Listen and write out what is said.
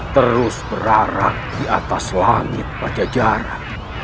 terus berarang di atas langit pada jarak